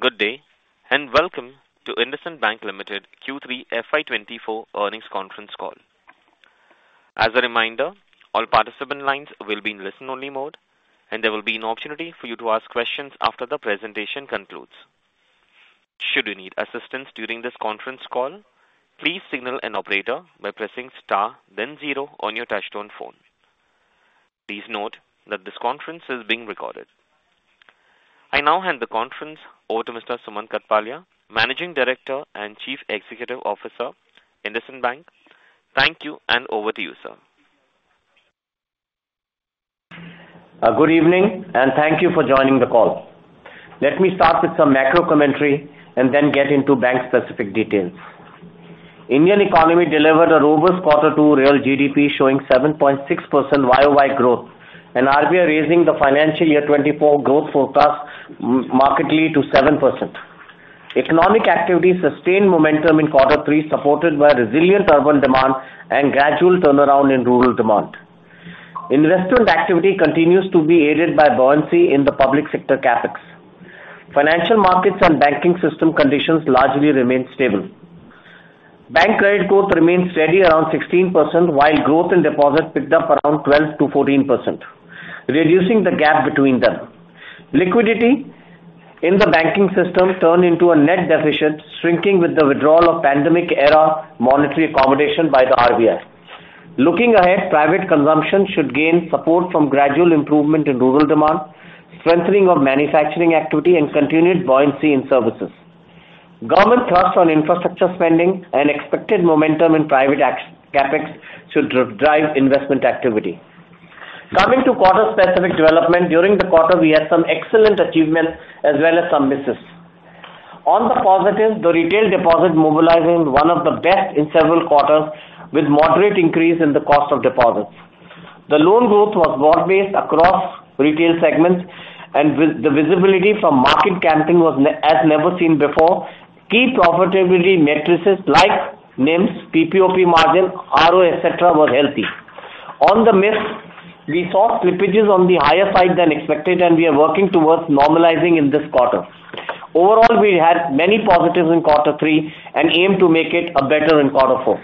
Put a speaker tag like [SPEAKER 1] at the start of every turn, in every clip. [SPEAKER 1] Good day, and welcome to IndusInd Bank Limited Q3 FY24 earnings conference call. As a reminder, all participant lines will be in listen-only mode, and there will be an opportunity for you to ask questions after the presentation concludes. Should you need assistance during this conference call, please signal an operator by pressing star, then zero on your touchtone phone. Please note that this conference is being recorded. I now hand the conference over to Mr. Sumant Kathpalia, Managing Director and Chief Executive Officer, IndusInd Bank. Thank you, and over to you, sir.
[SPEAKER 2] Good evening, and thank you for joining the call. Let me start with some macro commentary and then get into bank-specific details. Indian economy delivered a robust Quarter 2 real GDP, showing 7.6% YoY growth, and RBI raising the financial year 2024 growth forecast markedly to 7%. Economic activity sustained momentum in Quarter 3, supported by resilient urban demand and gradual turnaround in rural demand. Investment activity continues to be aided by buoyancy in the public sector CapEx. Financial markets and banking system conditions largely remain stable. Bank credit growth remains steady around 16%, while growth in deposits picked up around 12%-14%, reducing the gap between them. Liquidity in the banking system turned into a net deficit, shrinking with the withdrawal of pandemic-era monetary accommodation by the RBI. Looking ahead, private consumption should gain support from gradual improvement in rural demand, strengthening of manufacturing activity, and continued buoyancy in services. Government thrust on infrastructure spending and expected momentum in private CapEx should drive investment activity. Coming to quarter-specific development, during the quarter, we had some excellent achievements as well as some misses. On the positive, the retail deposit mobilization was one of the best in several quarters, with moderate increase in the cost of deposits. The loan growth was broad-based across retail segments, and the visibility from marketing campaigns was as never seen before. Key profitability metrics like NIMs, PPOP margin, ROA, et cetera, were healthy. On the miss, we saw slippages on the higher side than expected, and we are working towards normalizing in this quarter. Overall, we had many positives in Quarter three and aim to make it better in Quarter four.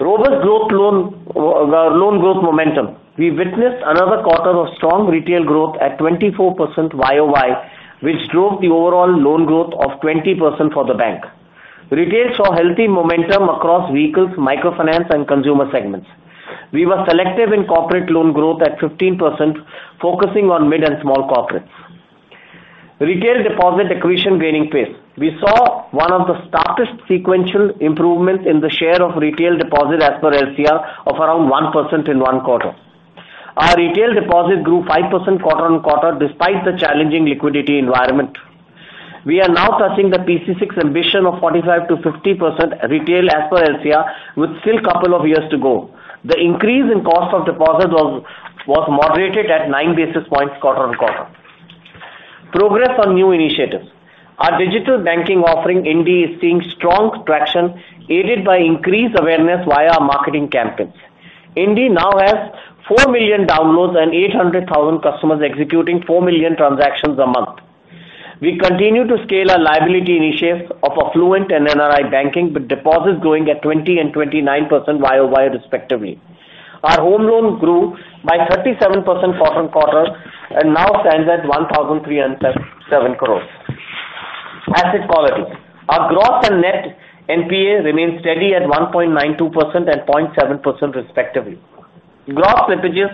[SPEAKER 2] Robust loan growth momentum. We witnessed another quarter of strong retail growth at 24% YoY, which drove the overall loan growth of 20% for the bank. Retail saw healthy momentum across vehicles, microfinance, and consumer segments. We were selective in corporate loan growth at 15%, focusing on mid and small corporates. Retail deposit acquisition gaining pace. We saw one of the starkest sequential improvements in the share of retail deposits as per LCR of around 1% in one quarter. Our retail deposits grew 5% quarter-on-quarter, despite the challenging liquidity environment. We are now touching the PC-6 ambition of 45%-50% retail as per LCR, with still couple of years to go. The increase in cost of deposits was moderated at 9 basis points quarter-on-quarter. Progress on new initiatives. Our digital banking offering, INDIE, is seeing strong traction, aided by increased awareness via our marketing campaigns. INDIE now has 4 million downloads and 800,000 customers executing 4 million transactions a month. We continue to scale our liability initiatives of affluent and NRI banking, with deposits growing at 20% and 29% YOY, respectively. Our home loan grew by 37% quarter-on-quarter and now stands at 1,307 crore. Asset quality. Our gross and net NPA remains steady at 1.92% and 0.7%, respectively. Gross slippages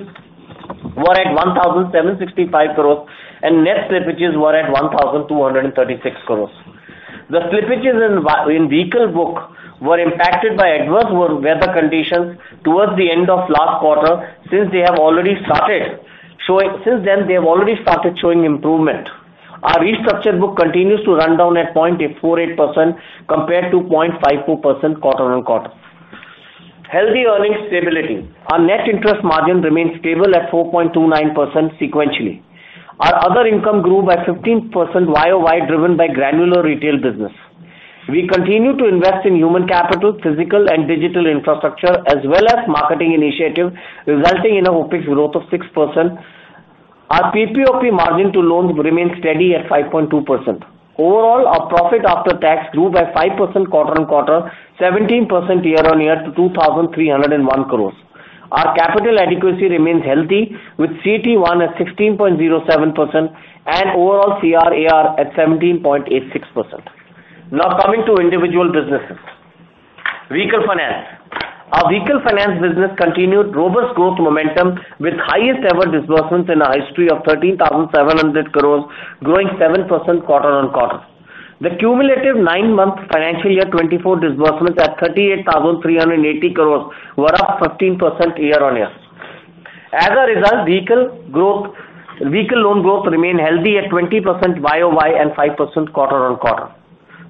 [SPEAKER 2] were at 1,765 crore, and net slippages were at 1,236 crore. The slippages in in vehicle book were impacted by adverse weather conditions towards the end of last quarter. Since then, they have already started showing improvement. Our restructure book continues to run down at 0.48% compared to 0.54% quarter-on-quarter. Healthy earnings stability. Our net interest margin remains stable at 4.29% sequentially. Our other income grew by 15% YoY, driven by granular retail business. We continue to invest in human capital, physical and digital infrastructure, as well as marketing initiatives, resulting in an OpEx growth of 6%. Our PPOP margin to loans remains steady at 5.2%. Overall, our profit after tax grew by 5% quarter-on-quarter, 17% year-on-year, to 2,301 crore. Our capital adequacy remains healthy, with CET1 at 16.07% and overall CRAR at 17.86%. Now, coming to individual businesses. Vehicle finance. Our vehicle finance business continued robust growth momentum, with highest-ever disbursements in our history of 13,700 crore, growing 7% quarter-on-quarter. The cumulative nine-month financial year 2024 disbursements at 38,380 crore were up 15% year-on-year. As a result, vehicle growth--vehicle loan growth remained healthy at 20% YoY and 5% quarter-on-quarter.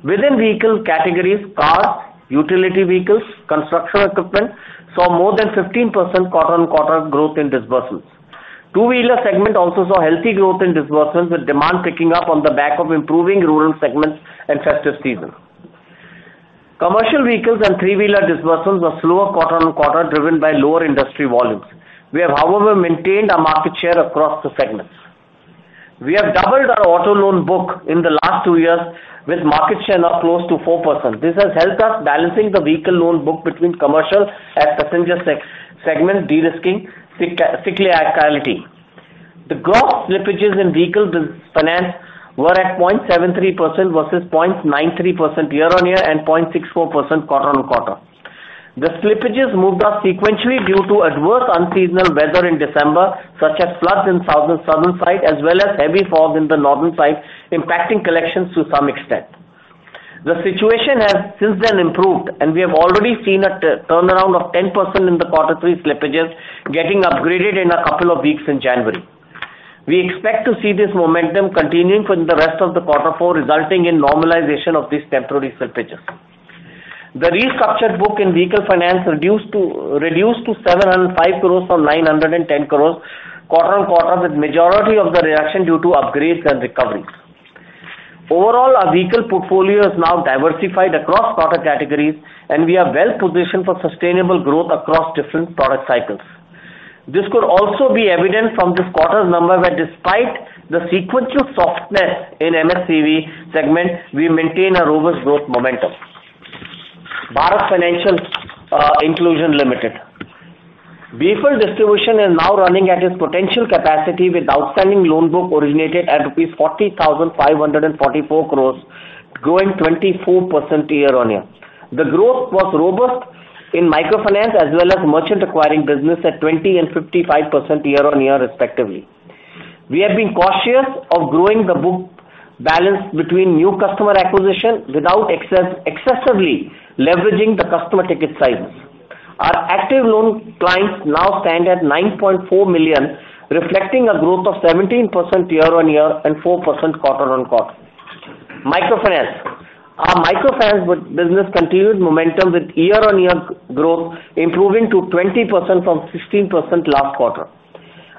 [SPEAKER 2] Within vehicle categories, cars, utility vehicles, construction equipment, saw more than 15% quarter-on-quarter growth in disbursements. Two-wheeler segment also saw healthy growth in disbursements, with demand picking up on the back of improving rural segments and festive season. Commercial vehicles and three-wheeler disbursements were slower quarter-on-quarter, driven by lower industry volumes. We have, however, maintained our market share across the segments. We have doubled our auto loan book in the last two years, with market share now close to 4%. This has helped us balancing the vehicle loan book between commercial and passenger segment, de-risking cyclicality. The gross slippages in vehicle business finance were at 0.73% versus 0.93% year-on-year, and 0.64% quarter-on-quarter. The slippages moved up sequentially due to adverse unseasonal weather in December, such as floods in southern side, as well as heavy fog in the northern side, impacting collections to some extent. The situation has since then improved, and we have already seen a turnaround of 10% in the quarter three slippages, getting upgraded in a couple of weeks in January. We expect to see this momentum continuing for the rest of the quarter four, resulting in normalization of these temporary slippages. The restructured book in vehicle finance reduced to 705 crore from 910 crore, quarter-over-quarter, with majority of the reduction due to upgrades and recoveries. Overall, our vehicle portfolio is now diversified across product categories, and we are well positioned for sustainable growth across different product cycles. This could also be evident from this quarter's number, where despite the sequential softness in MHCV segment, we maintain a robust growth momentum. Bharat Financial Inclusion Limited. BFIL distribution is now running at its potential capacity, with outstanding loan book originated at rupees 40,544 crore, growing 24% year-over-year. The growth was robust in microfinance as well as merchant acquiring business at 20% and 55% year-over-year, respectively. We have been cautious of growing the book balance between new customer acquisition, without excessively leveraging the customer ticket sizes. Our active loan clients now stand at 9.4 million, reflecting a growth of 17% year-on-year and 4% quarter-on-quarter. Microfinance. Our microfinance business continued momentum, with year-on-year growth improving to 20% from 16% last quarter.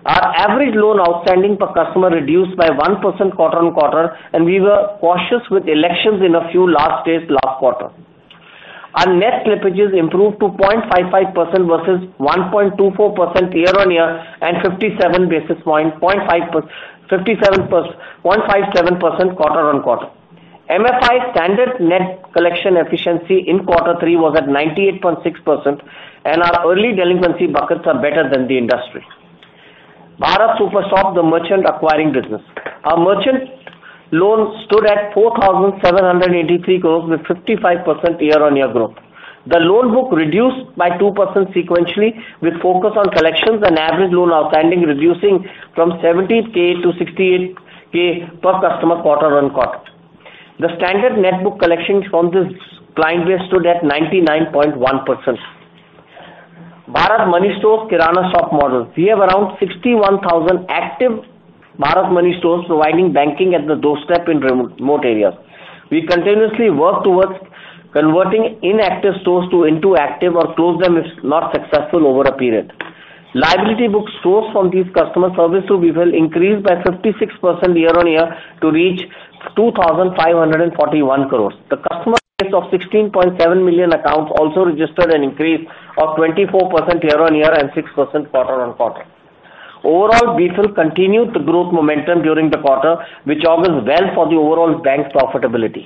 [SPEAKER 2] Our average loan outstanding per customer reduced by 1% quarter-on-quarter, and we were cautious with elections in a few last days last quarter. Our net slippages improved to 0.55% versus 1.24% year-on-year, and 57 basis points, 0.57% quarter-on-quarter. MFI standard net collection efficiency in quarter three was at 98.6%, and our early delinquency buckets are better than the industry. Bharat Super Shop, the merchant acquiring business. Our merchant loans stood at 4,783 crore, with 55% year-on-year growth. The loan book reduced by 2% sequentially, with focus on collections and average loan outstanding, reducing from 70k to 68k per customer, quarter-on-quarter. The standard net book collections from this client base stood at 99.1%. Bharat Money stores, Kirana Shop model. We have around 61,000 active Bharat Money stores, providing banking at the doorstep in remote, remote areas. We continuously work towards converting inactive stores into active or close them if not successful over a period. Liability book stores from these customer services to BFIL increased by 56% year-on-year, to reach 2,541 crores. The customer base of 16.7 million accounts also registered an increase of 24% year-on-year and 6% quarter-on-quarter. Overall, BFIL continued the growth momentum during the quarter, which augurs well for the overall bank's profitability.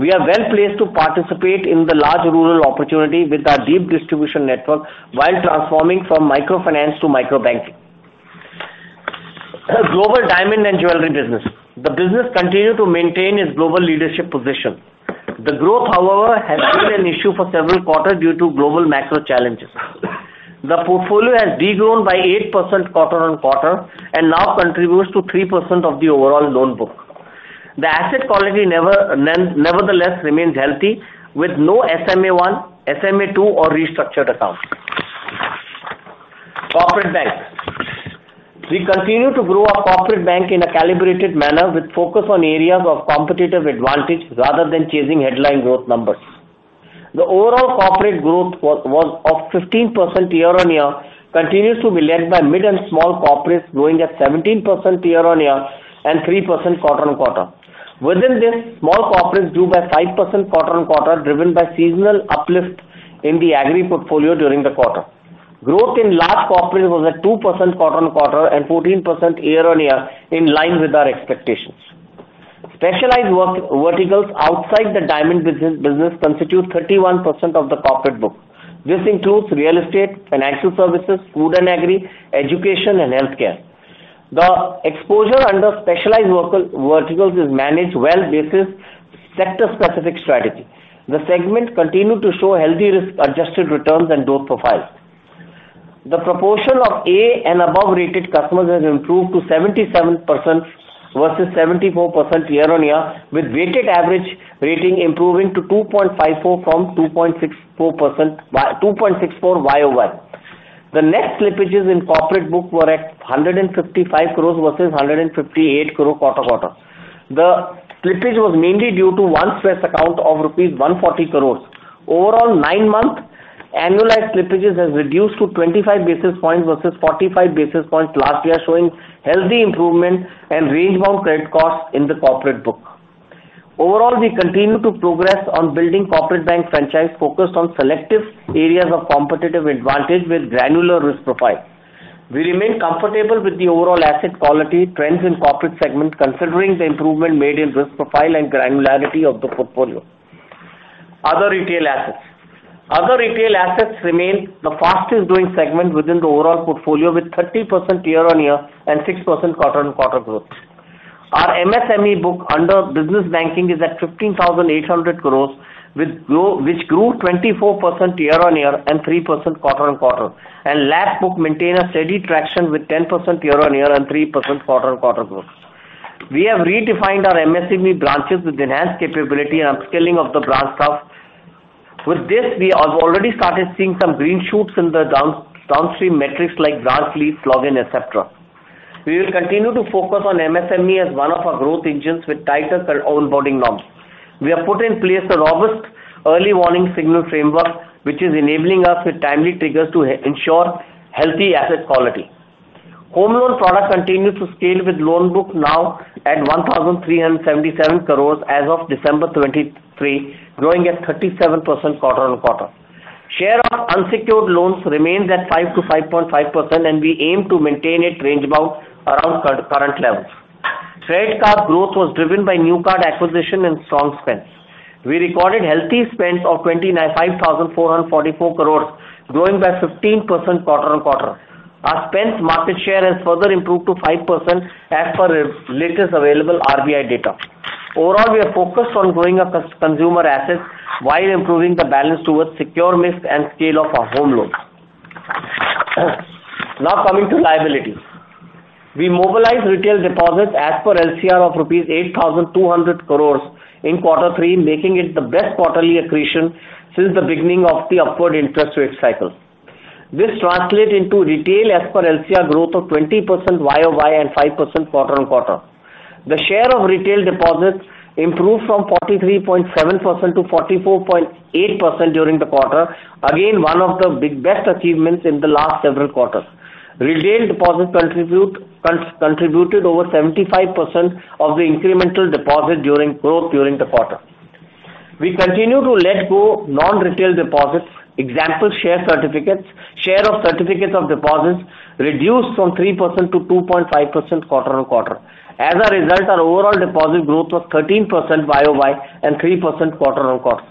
[SPEAKER 2] We are well placed to participate in the large rural opportunity with our deep distribution network, while transforming from microfinance to microbanking. Global diamond and jewelry business. The business continued to maintain its global leadership position. The growth, however, has been an issue for several quarters due to global macro challenges. The portfolio has de-grown by 8% quarter-on-quarter, and now contributes to 3% of the overall loan book. The asset quality nevertheless remains healthy, with no SMA-1, SMA-2 or restructured accounts. Corporate bank. We continue to grow our corporate bank in a calibrated manner, with focus on areas of competitive advantage rather than chasing headline growth numbers. The overall corporate growth was of 15% year-on-year, continues to be led by mid and small corporates, growing at 17% year-on-year and 3% quarter-on-quarter. Within this, small corporates grew by 5% quarter-on-quarter, driven by seasonal uplift in the agri portfolio during the quarter. Growth in large corporates was at 2% quarter-on-quarter and 14% year-on-year, in line with our expectations. Specialized verticals outside the diamond business constitute 31% of the corporate book. This includes real estate, financial services, food and agri, education, and healthcare. The exposure under specialized verticals is managed well, based on sector-specific strategy. The segment continued to show healthy risk-adjusted returns and risk profile. The proportion of A and above rated customers has improved to 77%, versus 74% year-on-year, with weighted average rating improving to 2.54 from 2.64%, by 2.64 year-on-year. The net slippages in corporate book were at 155 crore versus 158 crore quarter-on-quarter. The slippage was mainly due to one stressed account of rupees 140 crore. Overall, nine-month annualized slippages have reduced to 25 basis points versus 45 basis points last year, showing healthy improvement and range-bound credit costs in the corporate book. Overall, we continue to progress on building corporate bank franchise focused on selective areas of competitive advantage with granular risk profile. We remain comfortable with the overall asset quality trends in corporate segment, considering the improvement made in risk profile and granularity of the portfolio. Other retail assets. Other retail assets remain the fastest growing segment within the overall portfolio, with 30% year-on-year and 6% quarter-on-quarter growth. Our MSME book under business banking is at 15,800 crore, which grew 24% year-on-year and 3% quarter-on-quarter, and LAP book maintains a steady traction with 10% year-on-year and 3% quarter-on-quarter growth. We have redefined our MSME branches with enhanced capability and upskilling of the branch staff. With this, we have already started seeing some green shoots in the downstream metrics like branch leads, login, et cetera. We will continue to focus on MSME as one of our growth engines with tighter current onboarding norms. We have put in place a robust early warning signal framework, which is enabling us with timely triggers to ensure healthy asset quality. Home loan product continued to scale with loan book now at 1,377 crore as of December 2023, growing at 37% quarter-on-quarter. Share of unsecured loans remains at 5%-5.5%, and we aim to maintain it range-bound around current levels. Credit card growth was driven by new card acquisition and strong spends. We recorded healthy spends of 29,544 crore, growing by 15% quarter-over-quarter. Our spends market share has further improved to 5% as per the latest available RBI data. Overall, we are focused on growing our consumer assets while improving the balance towards secured mix and scale of our home loans. Now, coming to liabilities. We mobilized retail deposits as per LCR of rupees 8,200 crore in quarter three, making it the best quarterly accretion since the beginning of the upward interest rate cycle. This translate into retail as per LCR growth of 20% Y-o-Y and 5% quarter-over-quarter. The share of retail deposits improved from 43.7% to 44.8% during the quarter. Again, one of the big, best achievements in the last several quarters. Retail deposits contributed over 75% of the incremental deposit during growth during the quarter. We continue to let go non-retail deposits. Example, share certificates. Share of certificates of deposit reduced from 3% to 2.5% quarter-on-quarter. As a result, our overall deposit growth was 13% YoY and 3% quarter-on-quarter.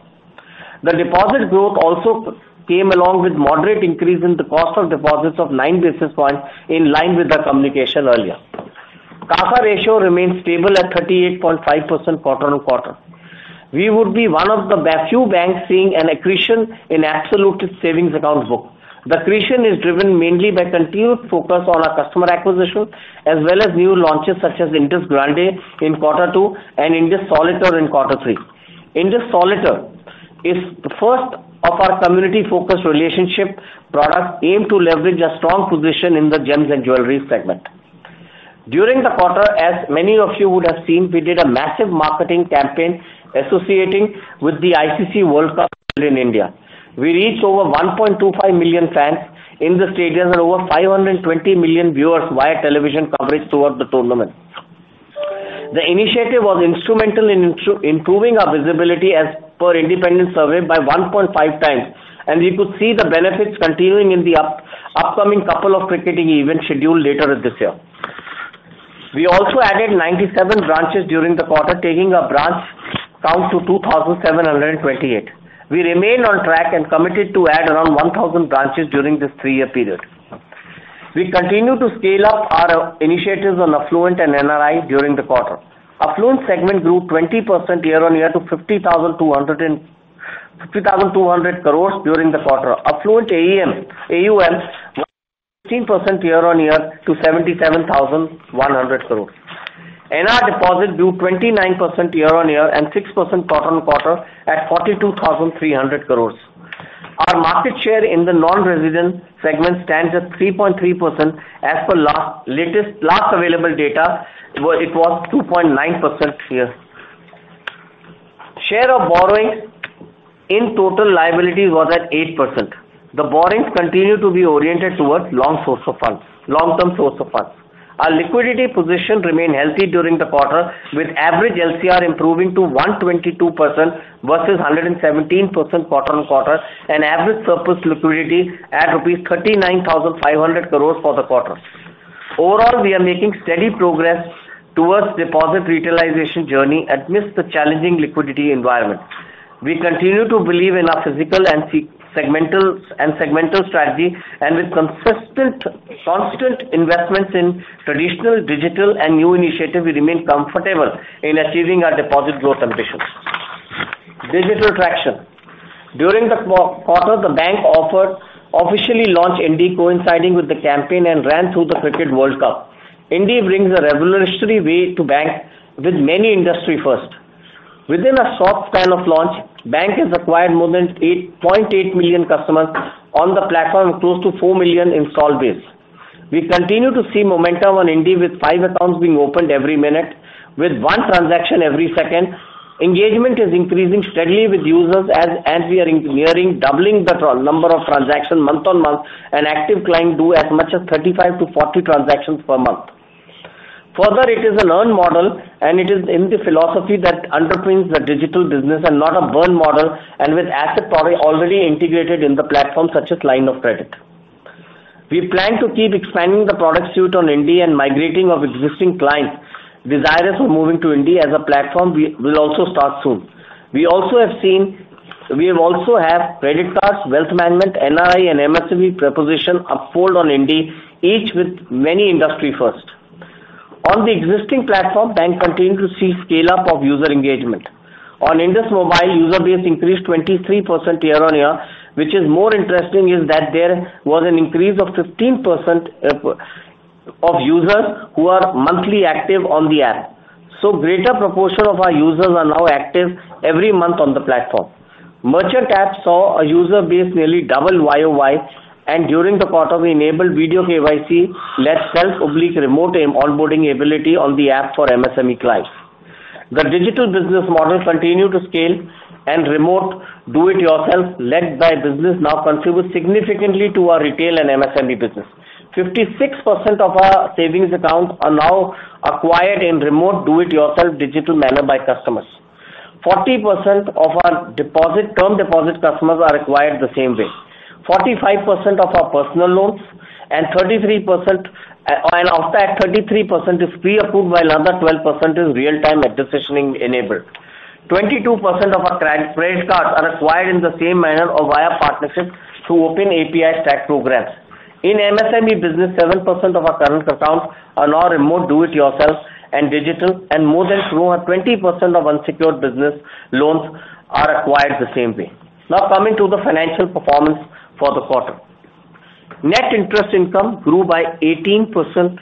[SPEAKER 2] The deposit growth also came along with moderate increase in the cost of deposits of nine basis points, in line with our communication earlier. CASA ratio remains stable at 38.5% quarter-on-quarter. We would be one of the few banks seeing an accretion in absolute savings account book. The accretion is driven mainly by continued focus on our customer acquisition, as well as new launches such as Indus Grandé in quarter two and Indus Solitaire in quarter three. Indus Solitaire is the first of our community-focused relationship product, aimed to leverage a strong position in the gems and jewelry segment. During the quarter, as many of you would have seen, we did a massive marketing campaign associating with the ICC World Cup in India. We reached over 1.25 million fans in the stadiums and over 520 million viewers via television coverage throughout the tournament. The initiative was instrumental in improving our visibility as per independent survey by 1.5 times, and we could see the benefits continuing in the upcoming couple of cricketing events scheduled later this year. We also added 97 branches during the quarter, taking our branch count to 2,728. We remain on track and committed to add around 1,000 branches during this three-year period. We continue to scale up our initiatives on affluent and NRI during the quarter. Affluent segment grew 20% year-on-year to 50,200 crore during the quarter. Affluent AUM, 15% year-on-year to 77,100 crore. NRI deposits grew 29% year-on-year and 6% quarter-on-quarter at 42,300 crore. Our market share in the non-resident segment stands at 3.3%. As per latest available data, where it was 2.9% share. Share of borrowings in total liabilities was at 8%. The borrowings continue to be oriented towards long source of funds, long-term source of funds. Our liquidity position remained healthy during the quarter, with average LCR improving to 122% versus 117% quarter-on-quarter, and average surplus liquidity at rupees 39,500 crore for the quarter. Overall, we are making steady progress towards deposit retailization journey amidst the challenging liquidity environment. We continue to believe in our physical and segmental strategy, and with consistent, constant investments in traditional, digital and new initiatives, we remain comfortable in achieving our deposit growth ambitions. Digital traction. During the quarter, the bank offered, officially launched INDIE, coinciding with the campaign and ran through the Cricket World Cup. INDIE brings a revolutionary way to bank with many industry first. Within a short span of launch, bank has acquired more than 8.8 million customers on the platform, with close to 4 million installed base. We continue to see momentum on INDIE with 5 accounts being opened every minute, with 1 transaction every second. Engagement is increasing steadily with users as we are engineering doubling the number of transactions month-on-month, and active clients do as much as 35-40 transactions per month. Further, it is a learned model, and it is in the philosophy that underpins the digital business and not a burn model, and with asset product already integrated in the platform, such as line of credit. We plan to keep expanding the product suite on INDIE and migrating of existing clients desirous of moving to INDIE as a platform, will also start soon. We also have credit cards, wealth management, NRE, and MSME proposition uphold on INDIE, each with many industry firsts. On the existing platform, bank continue to see scale-up of user engagement. On IndusMobile, user base increased 23% year-on-year, which is more interesting, is that there was an increase of 15% of users who are monthly active on the app. So greater proportion of our users are now active every month on the platform. Merchant app saw a user base nearly double YoY, and during the quarter, we enabled video KYC-led self KYC remote onboarding ability on the app for MSME clients. The digital business model continue to scale, and remote do-it-yourself-led business now contribute significantly to our retail and MSME business. 56% of our savings accounts are now acquired in remote do-it-yourself digital manner by customers. 40% of our deposit, term deposit customers are acquired the same way. 45% of our personal loans and 33%, and of that, 33% is pre-approved, while another 12% is real-time decisioning enabled. 22% of our credit cards are acquired in the same manner or via partnerships through open API stack programs. In MSME business, 7% of our current accounts are now remote do-it-yourself and digital, and more than through our 20% of unsecured business loans are acquired the same way. Now, coming to the financial performance for the quarter. Net interest income grew by 18%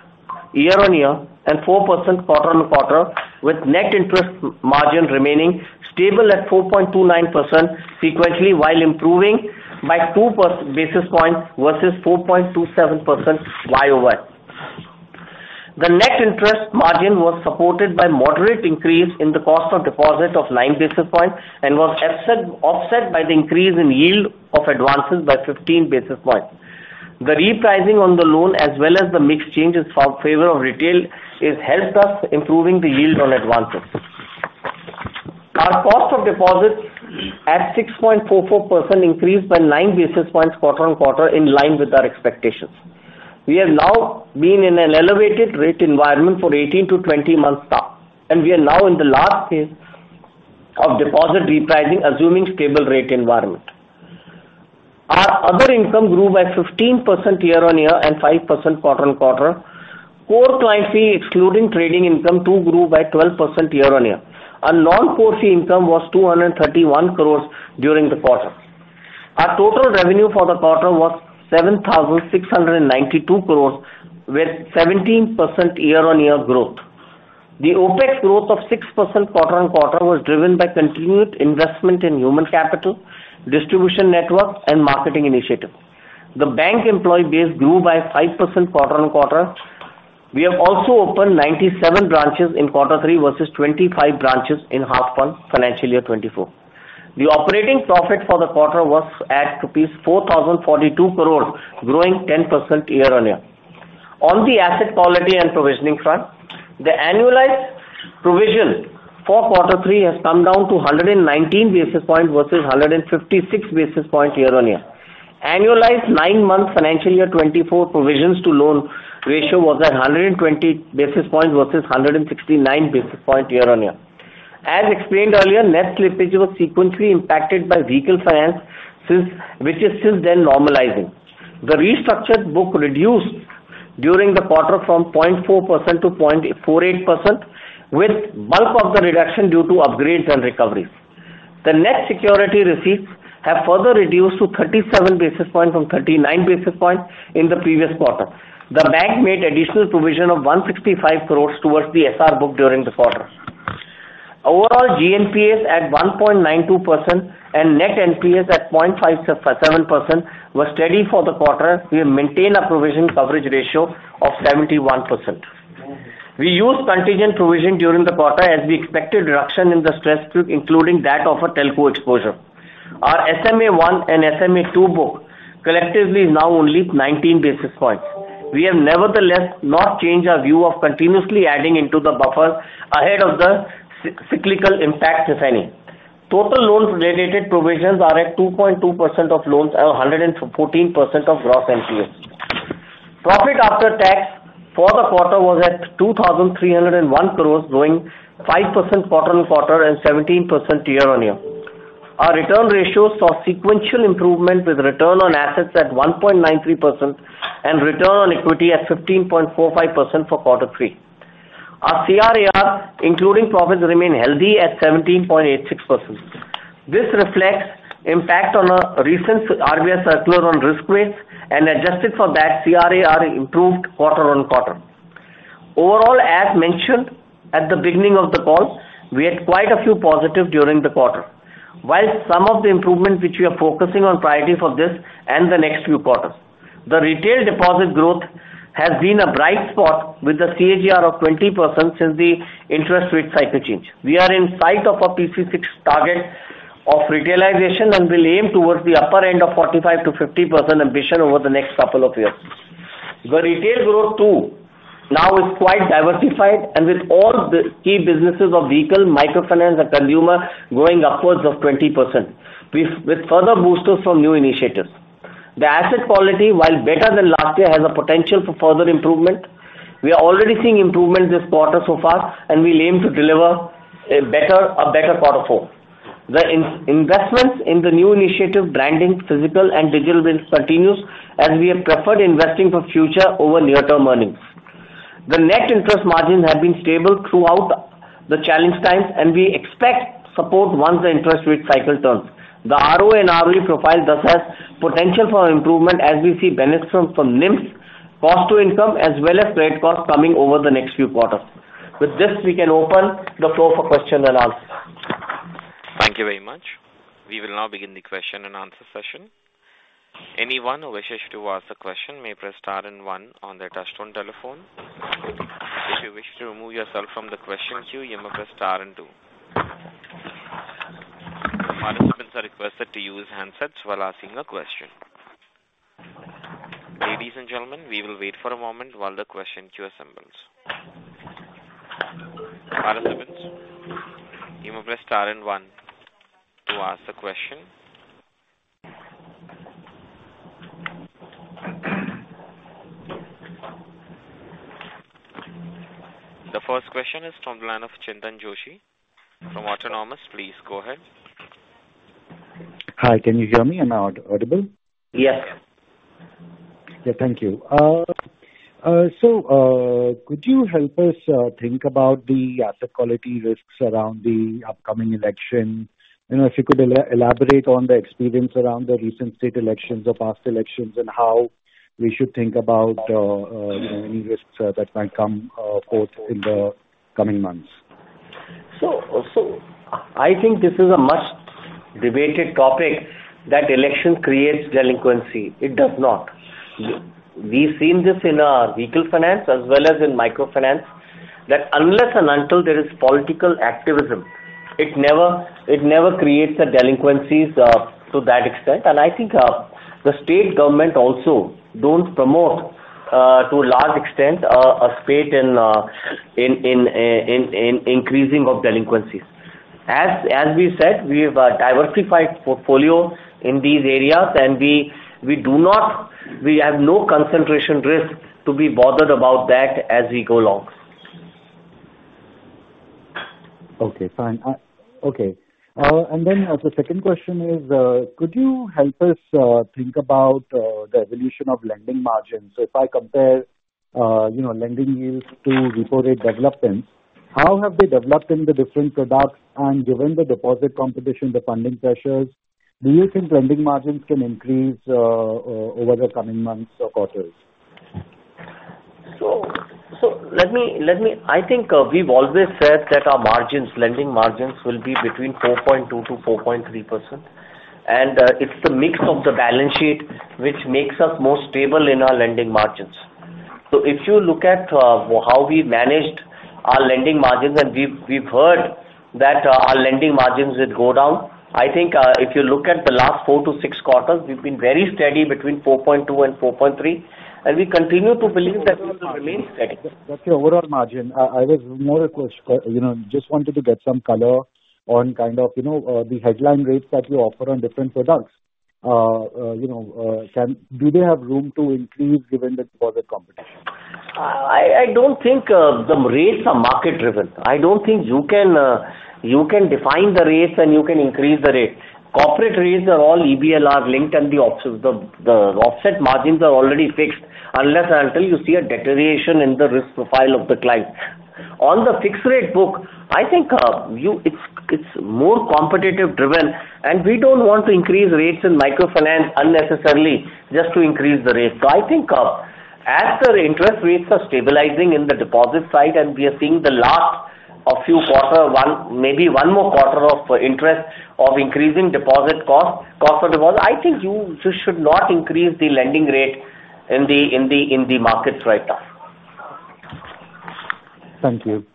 [SPEAKER 2] year-on-year and 4% quarter-on-quarter, with net interest margin remaining stable at 4.29% sequentially, while improving by two basis points versus 4.27% YOY. The net interest margin was supported by moderate increase in the cost of deposit of 9 basis points and was partly offset by the increase in yield of advances by 15 basis points. The repricing on the loan, as well as the mix changes for favor of retail, it helped us improving the yield on advances. Our cost of deposits at 6.44% increased by 9 basis points quarter-over-quarter, in line with our expectations. We have now been in an elevated rate environment for 18-20 months now, and we are now in the last phase of deposit repricing, assuming stable rate environment. Our other income grew by 15% year-over-year and 5% quarter-over-quarter. Core core profit excluding trading income, too, grew by 12% year-over-year. Our non-core fee income was 231 crore during the quarter. Our total revenue for the quarter was 7,692 crore, with 17% year-on-year growth. The OpEx growth of 6% quarter-on-quarter was driven by continued investment in human capital, distribution network, and marketing initiatives. The bank employee base grew by 5% quarter-on-quarter. We have also opened 97 branches in quarter three versus 25 branches in half one, financial year 2024. The operating profit for the quarter was at rupees 4,042 crore, growing 10% year-on-year. On the asset quality and provisioning front, the annualized provision for quarter three has come down to 119 basis points versus 156 basis points year-on-year. Annualized nine-month financial year 2024 provisions to loan ratio was at 120 basis points versus 169 basis points year-on-year. As explained earlier, net slippage was sequentially impacted by vehicle finance, which is since then normalizing. The restructured book reduced during the quarter from 0.4% to 0.48%, with bulk of the reduction due to upgrades and recoveries. The net security receipts have further reduced to 37 basis points from 39 basis points in the previous quarter. The bank made additional provision of 165 crore towards the SR book during the quarter. Overall, GNPA at 1.92% and net NPAs at 0.57% were steady for the quarter. We have maintained a provision coverage ratio of 71%. We used contingent provision during the quarter as we expected reduction in the stress, including that of a telco exposure. Our SMA-1 and SMA-2 book collectively is now only 19 basis points. We have nevertheless not changed our view of continuously adding into the buffer ahead of the cyclical impact, if any. Total loans-related provisions are at 2.2% of loans and 114% of gross NPAs. Profit after tax for the quarter was at 2,301 crore, growing 5% quarter-on-quarter and 17% year-on-year. Our return ratios saw sequential improvement with return on assets at 1.93% and return on equity at 15.45% for quarter three. Our CRAR, including profits, remain healthy at 17.86%. This reflects impact on our recent RBI circular on risk weights, and adjusted for that, CRAR improved quarter-on-quarter. Overall, as mentioned at the beginning of the call, we had quite a few positive during the quarter. While some of the improvements which we are focusing on priority for this and the next few quarters, the retail deposit growth has been a bright spot with a CAGR of 20% since the interest rate cycle change. We are in sight of a PC-6 fixed target of retailization and will aim towards the upper end of 45%-50% ambition over the next couple of years. The retail growth, too, now is quite diversified and with all the key businesses of vehicle, microfinance and consumer growing upwards of 20%, with, with further boosters from new initiatives. The asset quality, while better than last year, has a potential for further improvement. We are already seeing improvements this quarter so far, and we aim to deliver a better, a better quarter four. The investments in the new initiative, branding, physical and digital builds continues as we have preferred investing for future over near-term earnings. The net interest margins have been stable throughout the challenge times, and we expect support once the interest rate cycle turns. The RO and ROE profile thus has potential for improvement as we see benefits from NIM, cost to income, as well as credit costs coming over the next few quarters. With this, we can open the floor for question and answer.
[SPEAKER 1] Thank you very much. We will now begin the question and answer session. Anyone who wishes to ask a question may press star and one on their touchtone telephone. If you wish to remove yourself from the question queue, you may press star and two. Participants are requested to use handsets while asking a question. Ladies and gentlemen, we will wait for a moment while the question queue assembles. Participants, you may press star and one to ask the question. The first question is from the line of Chintan Joshi from Autonomous. Please go ahead.
[SPEAKER 3] Hi, can you hear me? Am I audible?
[SPEAKER 2] Yes.
[SPEAKER 3] Yeah, thank you. So, could you help us think about the asset quality risks around the upcoming election? You know, if you could elaborate on the experience around the recent state elections or past elections, and how we should think about any risks that might come forth in the coming months.
[SPEAKER 2] I think this is a much debated topic, that election creates delinquency. It does not. We've seen this in our vehicle finance as well as in microfinance, that unless and until there is political activism, it never creates the delinquencies to that extent. And I think, the state government also don't promote, to a large extent, a state in increasing of delinquencies. As we said, we have a diversified portfolio in these areas, and we do not. We have no concentration risk to be bothered about that as we go along.
[SPEAKER 3] Okay, fine. Okay. And then the second question is, could you help us think about the evolution of lending margins? So if I compare, you know, lending yields to repo rate development, how have they developed in the different products? And given the deposit competition, the funding pressures, do you think lending margins can increase over the coming months or quarters?
[SPEAKER 2] So let me. I think we've always said that our margins, lending margins, will be between 4.2%-4.3%, and it's the mix of the balance sheet which makes us more stable in our lending margins. So if you look at how we managed our lending margins, and we've heard that our lending margins would go down, I think if you look at the last 4-6 quarters, we've been very steady between 4.2% and 4.3%, and we continue to believe that we will remain steady.
[SPEAKER 3] That's your overall margin. I, I was more a question, you know, just wanted to get some color on kind of, you know, the headline rates that you offer on different products. You know, can they have room to increase given the deposit competition?
[SPEAKER 2] I don't think the rates are market driven. I don't think you can define the rates and you can increase the rate. Corporate rates are all EBLR linked, and the offset margins are already fixed unless until you see a deterioration in the risk profile of the client. On the fixed rate book, I think it's more competitive driven, and we don't want to increase rates in microfinance unnecessarily, just to increase the rate. So I think as the interest rates are stabilizing in the deposit side, and we are seeing the last of few quarter, one, maybe one more quarter of interest of increasing deposit cost of deposit, I think you should not increase the lending rate in the markets right now.
[SPEAKER 3] Thank you.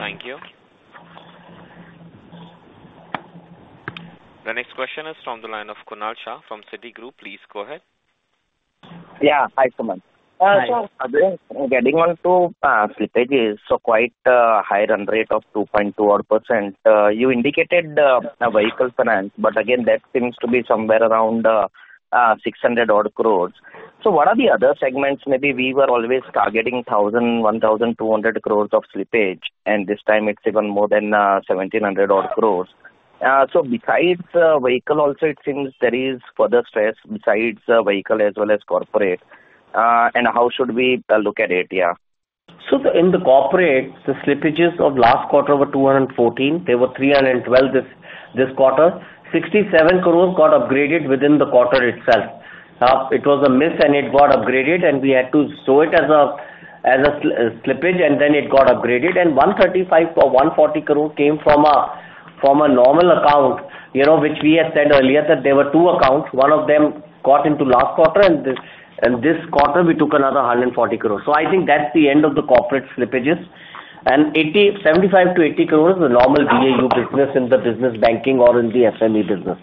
[SPEAKER 1] Thank you. The next question is from the line of Kunal Shah from Citigroup. Please go ahead.
[SPEAKER 4] Yeah. Hi, Sumant.
[SPEAKER 2] Hi.
[SPEAKER 4] Getting on to slippages, so quite a high run rate of 2.2% odd. You indicated vehicle finance, but again, that seems to be somewhere around 600 odd crores. So what are the other segments? Maybe we were always targeting 1,000, 1,200 crores of slippage, and this time it's even more than 1,700 odd crores. So besides vehicle, also it seems there is further stress besides vehicle as well as corporate. And how should we look at it? Yeah.
[SPEAKER 2] So in the corporate, the slippages of last quarter were 214 crore, they were 312 crore this quarter. 67 crore got upgraded within the quarter itself. It was a miss, and it got upgraded, and we had to show it as a slippage, and then it got upgraded, and 135 or 140 crore came from a normal account, you know, which we had said earlier, that there were two accounts. One of them got into last quarter, and this quarter, we took another 140 crore. So I think that's the end of the corporate slippages. And 75-80 crore is the normal BAU business in the business banking or in the SME business.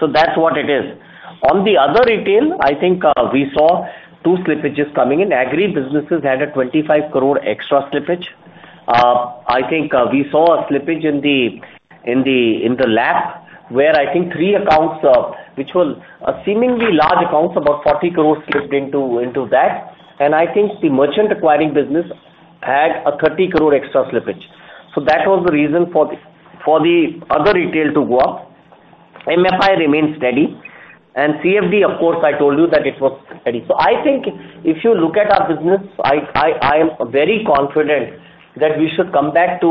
[SPEAKER 2] So that's what it is. On the other retail, I think, we saw 2 slippages coming in. Agri businesses had a 25 crore extra slippage. I think, we saw a slippage in the LAP, where I think 3 accounts, which were seemingly large accounts, about 40 crore, slipped into that. And I think the merchant acquiring business had a 30 crore extra slippage. So that was the reason for the other retail to go up. MFI remains steady, and CFD, of course, I told you that it was steady. So I think if you look at our business, I am very confident that we should come back to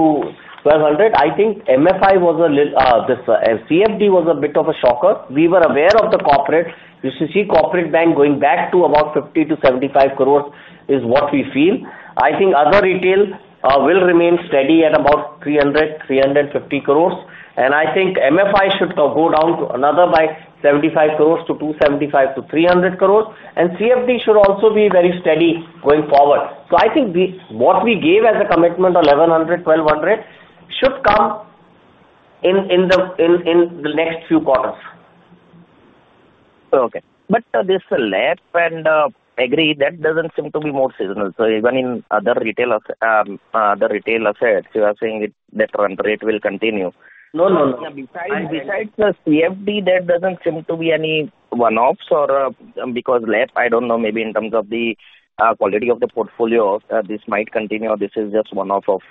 [SPEAKER 2] 1,200. I think MFI was a lit- this CFD was a bit of a shocker. We were aware of the corporate. You should see corporate bank going back to about 50-75 crore is what we feel. I think other retail will remain steady at about 300-350 crore, and I think MFI should go down by another 75 crore to 275-300 crore, and CFD should also be very steady going forward. So I think what we gave as a commitment on 1,100-1,200 should come in in the next few quarters.
[SPEAKER 4] Okay. But this LAP, I agree, that doesn't seem to be more seasonal. So even in other retail assets, you are saying that run rate will continue.
[SPEAKER 2] No, no, no.
[SPEAKER 4] Besides the CFD, there doesn't seem to be any one-offs or, because LAP, I don't know, maybe in terms of the quality of the portfolio, this might continue, or this is just one-off of...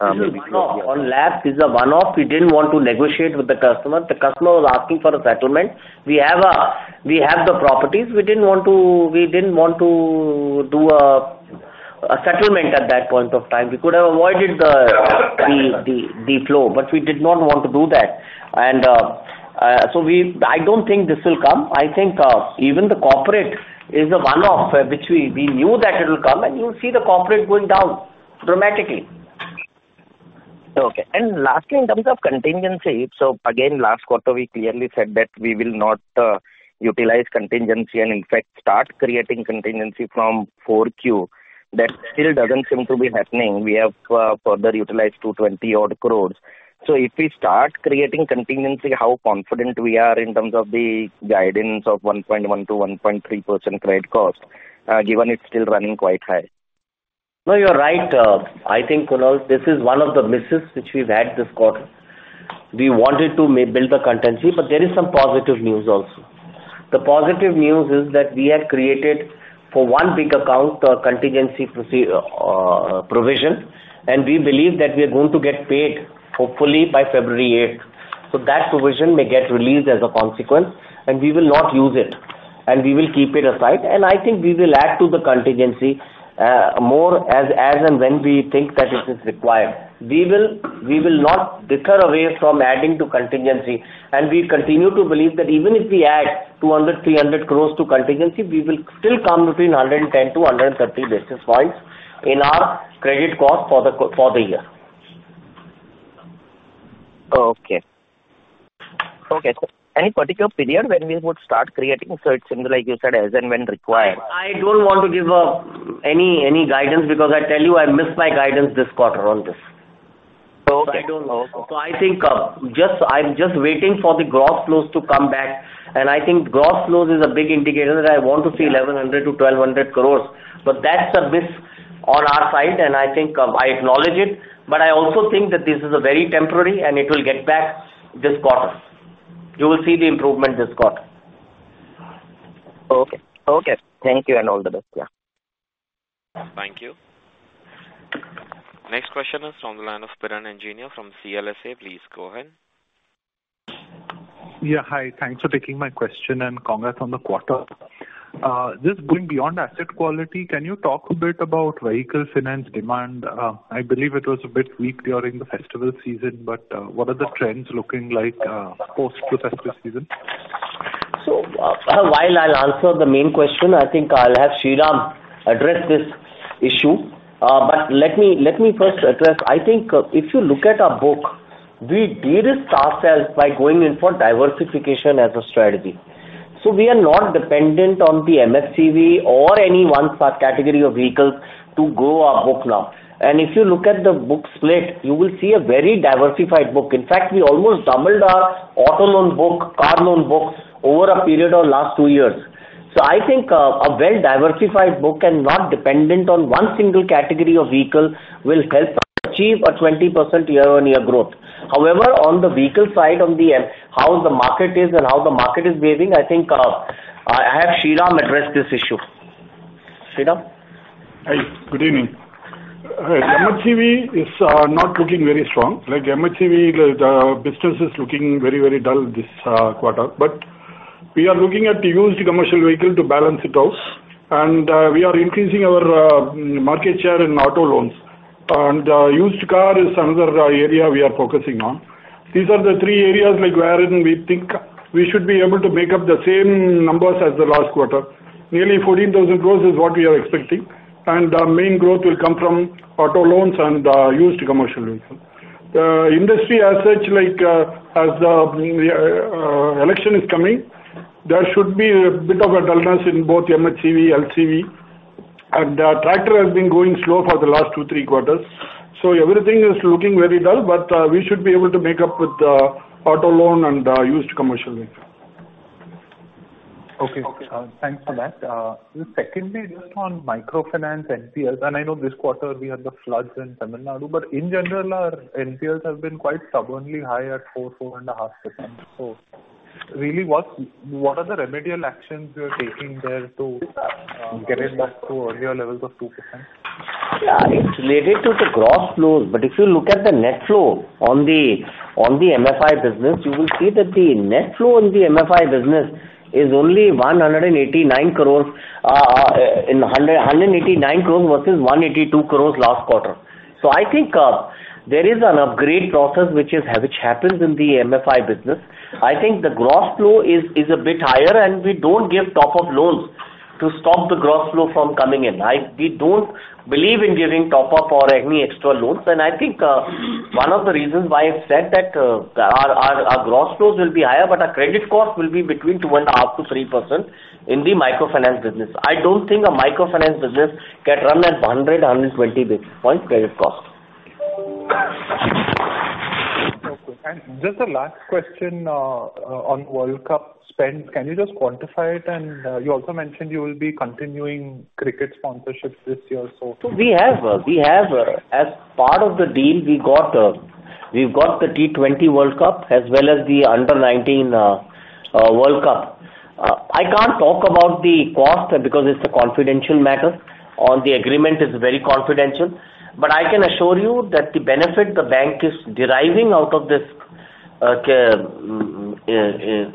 [SPEAKER 2] This is one-off. On LAP, this is a one-off. We didn't want to negotiate with the customer. The customer was asking for a settlement. We have, we have the properties. We didn't want to, we didn't want to do a, a settlement at that point of time. We could have avoided the flow, but we did not want to do that. And, so we I don't think this will come. I think, even the corporate is a one-off, which we, we knew that it will come, and you'll see the corporate going down dramatically.
[SPEAKER 4] Okay. Lastly, in terms of contingency, so again, last quarter, we clearly said that we will not, utilize contingency and, in fact, start creating contingency from 4Q. That still doesn't seem to be happening. We have, further utilized 220-odd crore. So if we start creating contingency, how confident we are in terms of the guidance of 1.1%-1.3% credit cost, given it's still running quite high?
[SPEAKER 2] No, you're right, I think, Kunal, this is one of the misses which we've had this quarter. We wanted to maybe build the contingency, but there is some positive news also. The positive news is that we have created for one big account, a contingency provision, and we believe that we are going to get paid, hopefully by February eighth. So that provision may get released as a consequence, and we will not use it, and we will keep it aside, and I think we will add to the contingency, more as and when we think that it is required. We will not deter away from adding to contingency, and we continue to believe that even if we add 200 crore-300 crore to contingency, we will still come between 110-130 basis points in our credit cost for the year.
[SPEAKER 4] Okay. Okay, so any particular period when we would start creating? So it seems like you said, as and when required.
[SPEAKER 2] I don't want to give any guidance because I tell you, I missed my guidance this quarter on this.
[SPEAKER 4] Okay.
[SPEAKER 2] So I don't know. So I think, I'm just waiting for the gross flows to come back, and I think gross flows is a big indicator that I want to see 1,100 crore-1,200 crore. But that's the risk on our side, and I think, I acknowledge it, but I also think that this is a very temporary, and it will get back this quarter. You will see the improvement this quarter.
[SPEAKER 4] Okay. Okay, thank you, and all the best. Yeah.
[SPEAKER 1] Thank you. Next question is from the line of Piran Engineer from CLSA. Please go ahead.
[SPEAKER 5] Yeah, hi. Thanks for taking my question, and congrats on the quarter. Just going beyond asset quality, can you talk a bit about vehicle finance demand? I believe it was a bit weak during the festival season, but, what are the trends looking like, post the festival season?
[SPEAKER 2] So, while I'll answer the main question, I think I'll have Sriram address this issue. But let me, let me first address. I think, if you look at our book, we de-risked ourselves by going in for diversification as a strategy. So we are not dependent on the MHCV or any one particular category of vehicles to grow our book now. And if you look at the book split, you will see a very diversified book. In fact, we almost doubled our auto loan book, car loan books, over a period of last two years. So I think, a well-diversified book and not dependent on one single category of vehicle will help achieve a 20% year-on-year growth. However, on the vehicle side, on the end, how the market is and how the market is behaving, I think, I'll have Sriram address this issue. Sriram?
[SPEAKER 6] Hi, good evening. MHCV is not looking very strong. Like, MHCV, the business is looking very, very dull this quarter. But- We are looking at used commercial vehicle to balance it out, and we are increasing our market share in auto loans. And used car is another area we are focusing on. These are the three areas like wherein we think we should be able to make up the same numbers as the last quarter. Nearly 14,000 crore is what we are expecting, and our main growth will come from auto loans and used commercial vehicles. The industry as such, like, as the election is coming, there should be a bit of a dullness in both MHCV, LCV, and tractor has been going slow for the last two, three quarters. So everything is looking very dull, but we should be able to make up with auto loan and used commercial vehicle.
[SPEAKER 5] Okay. Thanks for that. Secondly, just on microfinance NPL, and I know this quarter we had the floods in Tamil Nadu, but in general, our NPLs have been quite stubbornly high at 4%-4.5%. So really, what, what are the remedial actions you're taking there to get it back to earlier levels of 2%?
[SPEAKER 2] Yeah, it's related to the gross flows, but if you look at the net flow on the, on the MFI business, you will see that the net flow in the MFI business is only 189 crores versus 182 crores last quarter. So I think there is an upgrade process which is, which happens in the MFI business. I think the gross flow is a bit higher, and we don't give top-up loans to stop the gross flow from coming in. We don't believe in giving top up or any extra loans, and I think one of the reasons why I've said that our gross flows will be higher, but our credit cost will be between 2.5%-3% in the microfinance business. I don't think a microfinance business can run at 100-120 basis point credit cost.
[SPEAKER 5] Okay. And just a last question, on World Cup spend. Can you just quantify it? And, you also mentioned you will be continuing cricket sponsorships this year also.
[SPEAKER 2] So we have as part of the deal, we got, we've got the T20 World Cup as well as the Under-19 World Cup. I can't talk about the cost because it's a confidential matter or the agreement is very confidential. But I can assure you that the benefit the bank is deriving out of this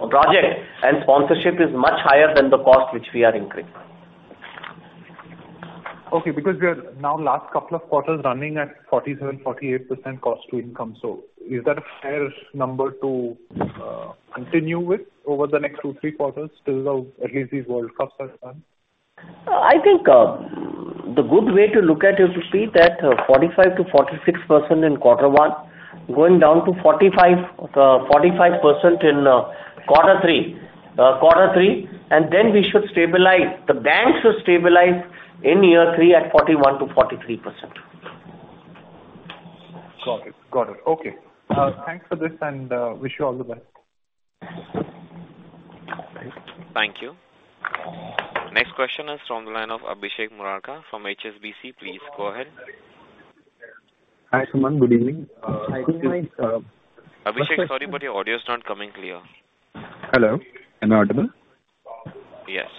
[SPEAKER 2] project and sponsorship is much higher than the cost which we are incurring.
[SPEAKER 5] Okay, because we are now last couple of quarters running at 47%-48% cost to income. So is that a fair number to continue with over the next two, three quarters till the, at least the World Cup has done?
[SPEAKER 2] I think, the good way to look at it to see that, 45%-46% in quarter one, going down to 45, 45% in quarter three, quarter three, and then we should stabilize. The bank should stabilize in year three at 41%-43%.
[SPEAKER 5] Got it. Got it. Okay. Thanks for this, and wish you all the best.
[SPEAKER 2] Thank you.
[SPEAKER 1] Thank you. Next question is from the line of Abhishek Murarka from HSBC. Please go ahead.
[SPEAKER 7] Hi, Sumant, good evening.
[SPEAKER 1] Abhishek, sorry, but your audio is not coming clear.
[SPEAKER 7] Hello, am I audible?
[SPEAKER 1] Yes.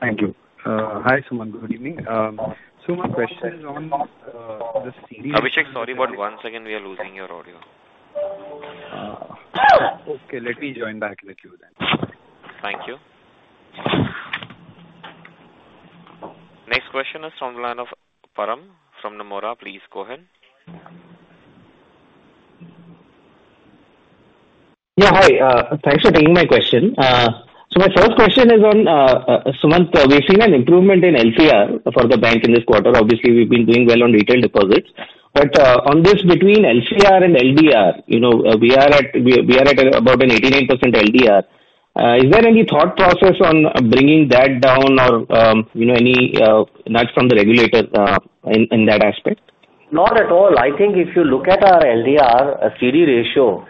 [SPEAKER 7] Thank you. Hi, Sumant, good evening. So my question is on the CD-
[SPEAKER 1] Abhishek, sorry, but once again, we are losing your audio.
[SPEAKER 7] Okay, let me join back. Let me do that.
[SPEAKER 1] Thank you. Next question is from the line of Param from Nomura. Please go ahead.
[SPEAKER 8] Yeah, hi. Thanks for taking my question. So my first question is on Sumant, we've seen an improvement in LCR for the bank in this quarter. Obviously, we've been doing well on retail deposits. But on this between LCR and LDR, you know, we are at about an 89% LDR. Is there any thought process on bringing that down or, you know, any nudge from the regulator in that aspect?
[SPEAKER 2] Not at all. I think if you look at our LDR, CD Ratio,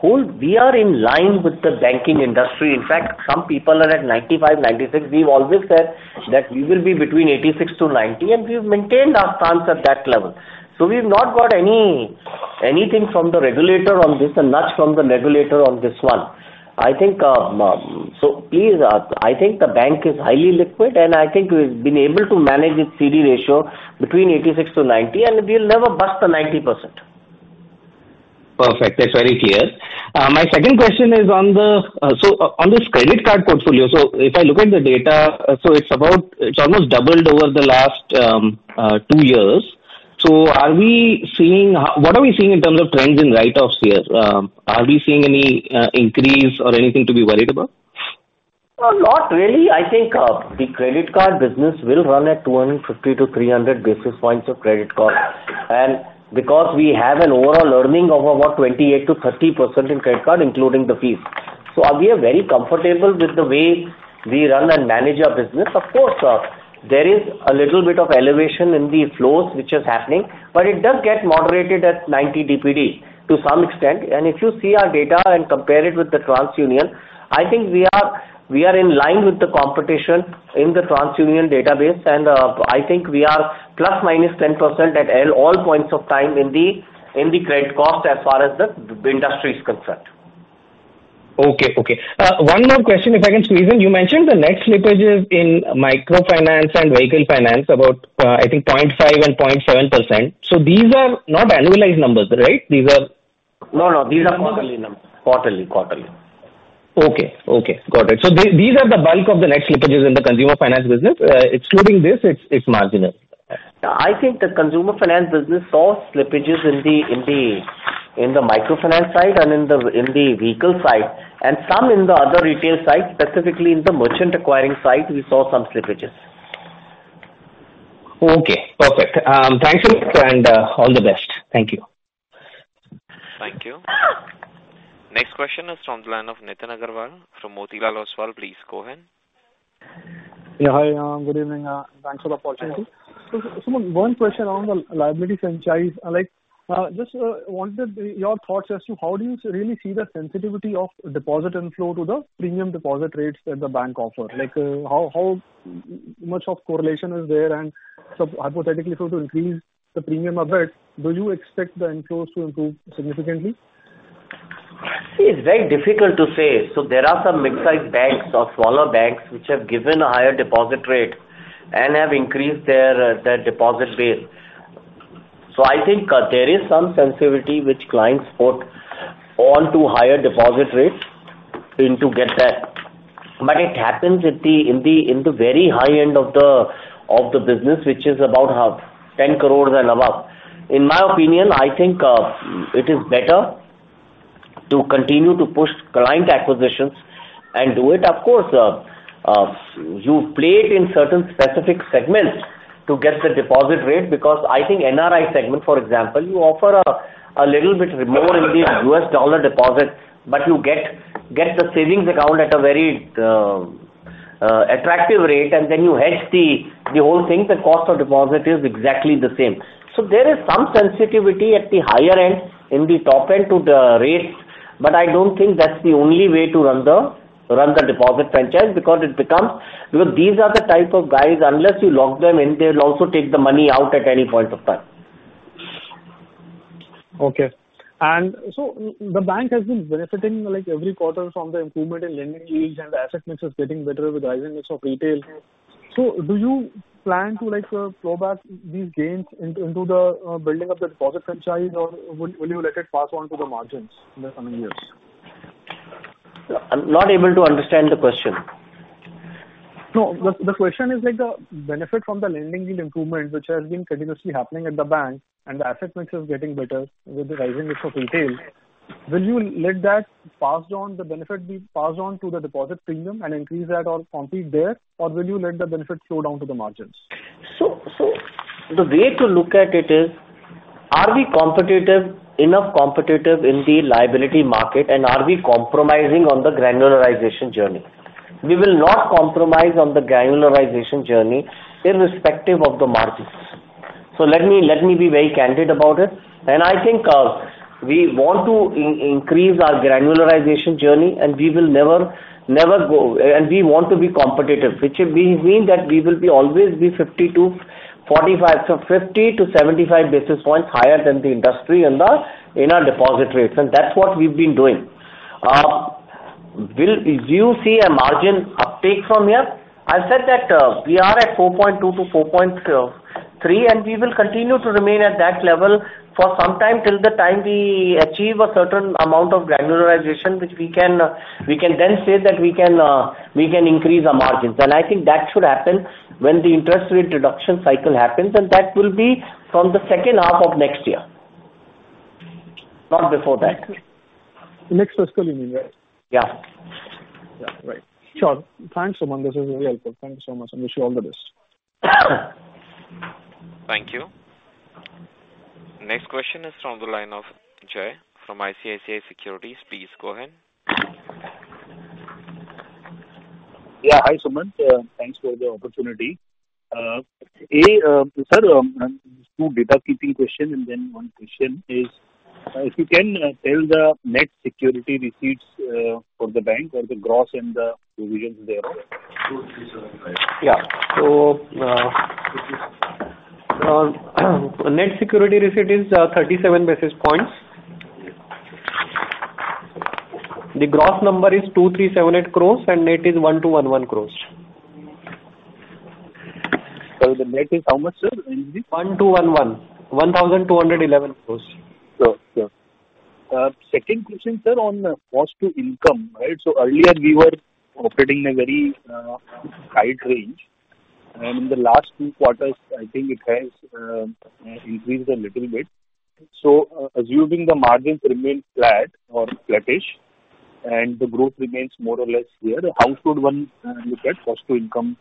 [SPEAKER 2] while we are in line with the banking industry. In fact, some people are at 95, 96. We've always said that we will be between 86-90, and we've maintained our stance at that level. So we've not got any, anything from the regulator on this, a nudge from the regulator on this one. I think, so please, I think the bank is highly liquid, and I think we've been able to manage the CD Ratio between 86-90, and we'll never bust the 90%.
[SPEAKER 8] Perfect. That's very clear. My second question is on the, so on this credit card portfolio, so if I look at the data, so it's about, it's almost doubled over the last two years. So are we seeing. What are we seeing in terms of trends in write-offs here? Are we seeing any increase or anything to be worried about?
[SPEAKER 2] Not really. I think, the credit card business will run at 250-300 basis points of credit card. And because we have an overall earning of about 28%-30% in credit card, including the fees, so we are very comfortable with the way we run and manage our business. Of course, there is a little bit of elevation in the flows, which is happening, but it does get moderated at 90 DPD to some extent. And if you see our data and compare it with the TransUnion, I think we are, we are in line with the competition in the TransUnion database, and, I think we are plus minus 10% at all points of time in the, in the credit cost as far as the, the industry is concerned.
[SPEAKER 8] Okay, okay. One more question, if I can squeeze in. You mentioned the net slippages in microfinance and vehicle finance about, I think 0.5% and 0.7%. So these are not annualized numbers, right? These are-
[SPEAKER 2] No, no, these are quarterly numbers. Quarterly, quarterly.
[SPEAKER 8] Okay, okay, got it. So these are the bulk of the net slippages in the consumer finance business. Excluding this, it's, it's marginal.
[SPEAKER 2] I think the consumer finance business saw slippages in the microfinance side and in the vehicle side, and some in the other retail side, specifically in the merchant acquiring side, we saw some slippages.
[SPEAKER 8] Okay, perfect. Thank you, and all the best. Thank you.
[SPEAKER 1] Thank you. Next question is from the line of Nitin Aggarwal from Motilal Oswal. Please go ahead.
[SPEAKER 9] Yeah, hi, good evening. Thanks for the opportunity. So Sumant, one question on the liability franchise. I like, just, wanted your thoughts as to how do you really see the sensitivity of deposit inflow to the premium deposit rates that the bank offer? Like, how much of correlation is there? And so hypothetically, so to increase the premium a bit, do you expect the inflows to improve significantly?
[SPEAKER 2] See, it's very difficult to say. So there are some mid-sized banks or smaller banks which have given a higher deposit rate and have increased their their deposit base. So I think there is some sensitivity which clients put on to higher deposit rates in to get that. But it happens at the, in the, in the very high end of the, of the business, which is about 10 crores and above. In my opinion, I think it is better to continue to push client acquisitions and do it. Of course, you play it in certain specific segments to get the deposit rate, because I think NRI segment, for example, you offer a a little bit more in the U.S. dollar deposits, but you get get the savings account at a very attractive rate, and then you hedge the the whole thing. The cost of deposit is exactly the same. So there is some sensitivity at the higher end, in the top end to the rates, but I don't think that's the only way to run the deposit franchise because it becomes. Because these are the type of guys, unless you lock them in, they'll also take the money out at any point of time.
[SPEAKER 9] Okay. And so the bank has been benefiting, like, every quarter from the improvement in lending yields and the asset mix is getting better with the rising mix of retail. So do you plan to, like, flow back these gains into, into the, building of the deposit franchise, or will, will you let it pass on to the margins in the coming years?
[SPEAKER 2] I'm not able to understand the question.
[SPEAKER 9] No, the question is, like, the benefit from the lending yield improvement, which has been continuously happening at the bank and the asset mix is getting better with the rising mix of retail, will you let that pass on, the benefit be passed on to the deposit premium and increase that or compete there? Or will you let the benefit flow down to the margins?
[SPEAKER 2] So, the way to look at it is, are we competitive enough in the liability market and are we compromising on the granularization journey? We will not compromise on the granularization journey irrespective of the margins. So let me be very candid about it. And I think, we want to increase our granularization journey, and we will never, never go. And we want to be competitive, which will mean that we will always be 50-45, so 50-75 basis points higher than the industry in our deposit rates, and that's what we've been doing. Will you see a margin uptick from here? I've said that, we are at 4.2-4.3, and we will continue to remain at that level for some time till the time we achieve a certain amount of granularization, which we can, we can then say that we can, we can increase our margins. And I think that should happen when the interest rate reduction cycle happens, and that will be from the second half of next year. Not before that.
[SPEAKER 9] Next fiscal year, right?
[SPEAKER 2] Yeah.
[SPEAKER 9] Yeah, right. Sure. Thanks, Sumant. This is very helpful. Thank you so much, and wish you all the best.
[SPEAKER 1] Thank you. Next question is from the line of Jai from ICICI Securities. Please go ahead.
[SPEAKER 10] Yeah. Hi, Sumant. Thanks for the opportunity, two data keeping question and then one question is, if you can tell the net security receipts for the bank or the gross and the provisions thereof?
[SPEAKER 2] Yeah. So, net security receipt is 37 basis points. The gross number is 2,378 crores, and net is 1,211 crores.
[SPEAKER 10] So the net is how much, sir?
[SPEAKER 2] 1,211. 1,211 crore.
[SPEAKER 10] Sure, sure. Second question, sir, on cost to income, right? So earlier we were operating in a very tight range, and in the last two quarters, I think it has increased a little bit. So assuming the margins remain flat or flattish and the growth remains more or less here, how should one look at cost to income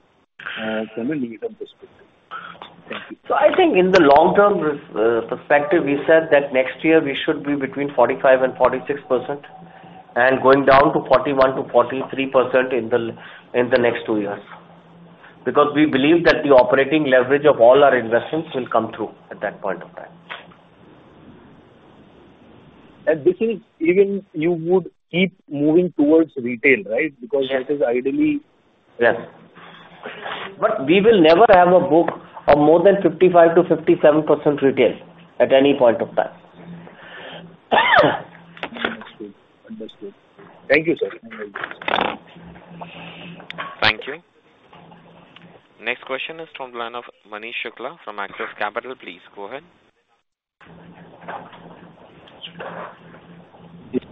[SPEAKER 10] from a medium perspective? Thank you.
[SPEAKER 2] So I think in the long-term perspective, we said that next year we should be between 45% and 46%, and going down to 41%-43% in the next two years. Because we believe that the operating leverage of all our investments will come through at that point of time.
[SPEAKER 10] This is even you would keep moving towards retail, right? Because that is ideally-
[SPEAKER 2] Yes. But we will never have a book of more than 55%-57% retail at any point of time.
[SPEAKER 10] Understood. Thank you, sir.
[SPEAKER 1] Thank you. Next question is from the line of Manish Shukla from Axis Capital. Please go ahead.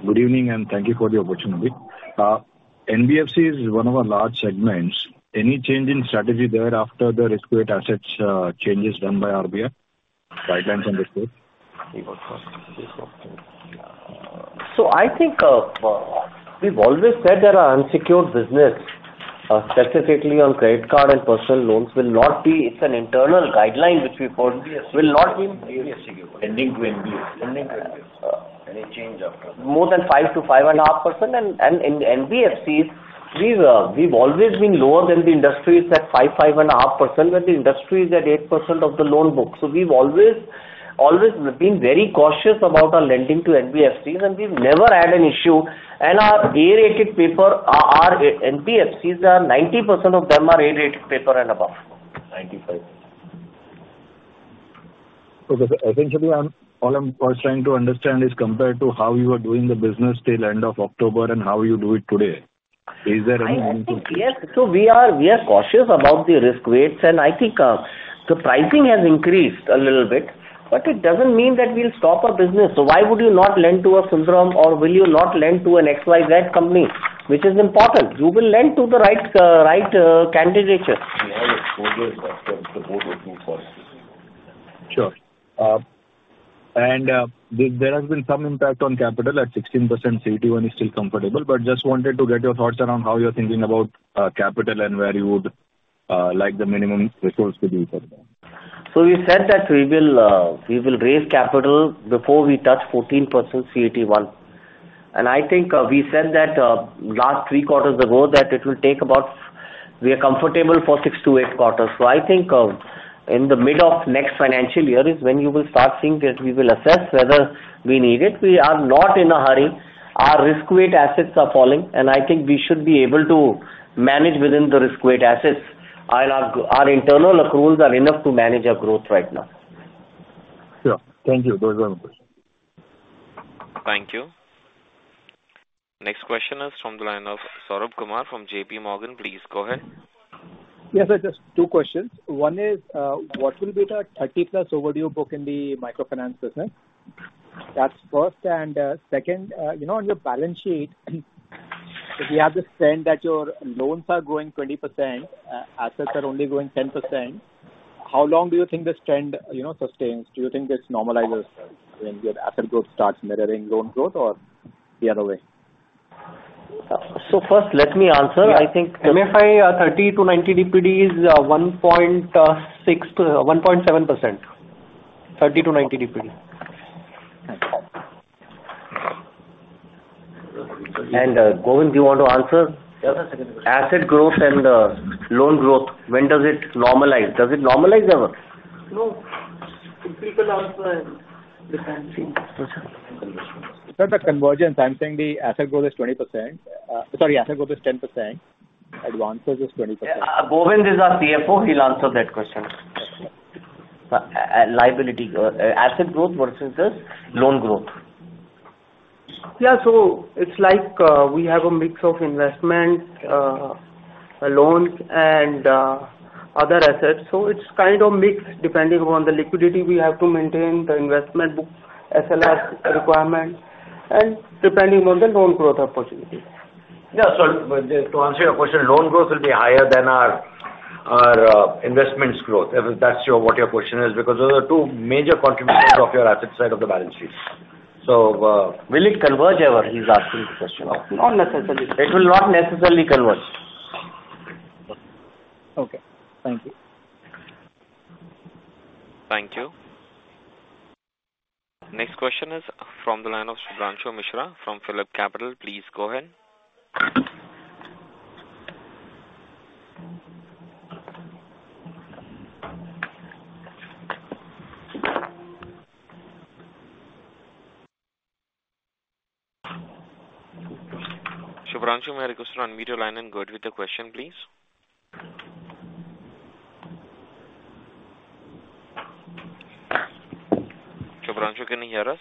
[SPEAKER 11] Good evening, and thank you for the opportunity. NBFC is one of our large segments. Any change in strategy there after the risk-weighted assets changes done by RBI guidelines on this space?
[SPEAKER 2] I think we've always said that our unsecured business, specifically on credit card and personal loans, will not be. It's an internal guideline which we put, will not be-
[SPEAKER 11] Lending to NBFC. Lending to NBFC. Any change after that?
[SPEAKER 2] More than 5-5.5%. In the NBFCs, we've always been lower than the industry is at 5, 5.5%, but the industry is at 8% of the loan book. So we've always been very cautious about our lending to NBFCs, and we've never had an issue. Our A-rated paper, our NBFCs, 90% of them are A-rated paper and above. 95.
[SPEAKER 11] Okay. So essentially, all I'm first trying to understand is compared to how you were doing the business till end of October and how you do it today. Is there any difference?
[SPEAKER 2] I think, yes. So we are cautious about the risk weights, and I think, the pricing has increased a little bit, but it doesn't mean that we'll stop our business. So why would you not lend to a Sundaram or will you not lend to an XYZ company, which is important? You will lend to the right, right, candidate.
[SPEAKER 11] Sure. There has been some impact on capital at 16% CET1, which is still comfortable, but just wanted to get your thoughts around how you're thinking about capital and where you would like the minimum ratio to be for that.
[SPEAKER 2] So we said that we will, we will raise capital before we touch 14% CET1. And I think, we said that, last three quarters ago, that it will take about. We are comfortable for six to eight quarters. So I think, in the mid of next financial year is when you will start seeing that we will assess whether we need it. We are not in a hurry. Our risk-weighted assets are falling, and I think we should be able to manage within the risk-weighted assets. And our, our internal accruals are enough to manage our growth right now.
[SPEAKER 11] Sure. Thank you. Those are my questions.
[SPEAKER 1] Thank you. Next question is from the line of Saurabh Kumar from JP Morgan. Please go ahead.
[SPEAKER 12] Yes, sir, just two questions. One is, what will be the 30-plus overdue book in the microfinance business? That's first and, second, you know, on your balance sheet, we have the trend that your loans are growing 20%, assets are only growing 10%. How long do you think this trend, you know, sustains? Do you think this normalizes when your asset growth starts mirroring loan growth or the other way?
[SPEAKER 2] First, let me answer. I think-
[SPEAKER 12] MFI, 30-90 DPD is 1.6%-1.7%. 30-90 DPD.
[SPEAKER 2] Gobind, do you want to answer?
[SPEAKER 13] Yeah, the second question.
[SPEAKER 2] Asset growth and loan growth, when does it normalize? Does it normalize ever?
[SPEAKER 13] No. It will allow for the time being.
[SPEAKER 12] Sir, the convergence, I'm saying the asset growth is 20%. Sorry, asset growth is 10%, advances is 20%.
[SPEAKER 2] Yeah, Gobind is our CFO, he'll answer that question. Liability, asset growth versus the loan growth.
[SPEAKER 13] Yeah, so it's like, we have a mix of investment loans and other assets. So it's kind of mixed depending upon the liquidity we have to maintain the investment book, SLR requirement, and depending on the loan growth opportunity.
[SPEAKER 2] Yeah. So to answer your question, loan growth will be higher than our investments growth. If that's your, what your question is, because those are the two major contributors of your asset side of the balance sheet. So, will it converge ever? He's asking the question.
[SPEAKER 13] Not necessarily.
[SPEAKER 2] It will not necessarily converge.
[SPEAKER 12] Okay. Thank you.
[SPEAKER 1] Thank you. Next question is from the line of Shubhranshu Mishra from PhillipCapital. Please go ahead. Shubhranshu, may I request you to unmute your line and go ahead with the question, please? Shubhranshu, can you hear us?